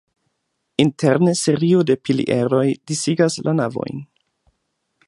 Interne serio de pilieroj disigas la navojn.